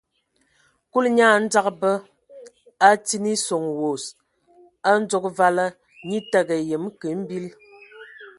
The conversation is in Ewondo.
Kulu nyaa dzabag, a atin eson wos, a udzogo vala, nye təgə yəm kə mbil.